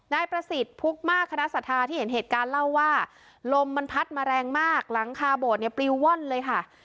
นายประสิทธิ์พุกมากคณะศรัทธาที่เห็นเหตุการณ์เล่าว่าลมมันพัดมาแรงมากหลังคาโบดเนี่ยปลิวว่อนเลยค่ะ